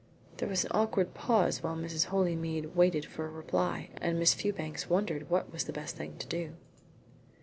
There was an awkward pause while Mrs. Holymead waited for a reply and Miss Fewbanks wondered what was the best thing to do.